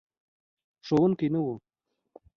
ښوونکی نه و.